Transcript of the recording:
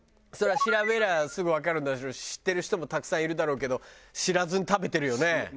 そりゃあ調べりゃすぐわかるんだろうし知ってる人もたくさんいるだろうけど知らずに食べてるよね